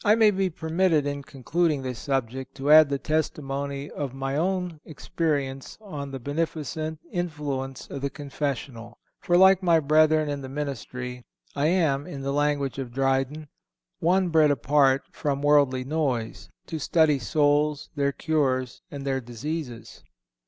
_" I may be permitted, in concluding this subject, to add the testimony of my own experience on the beneficent influence of the confessional; for, like my brethren in the ministry, I am, in the language of Dryden, "One bred apart from worldly noise, To study souls, their cures, and their diseases."